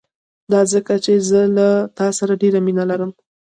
دا ځکه چې زه له تا سره ډېره مينه لرم.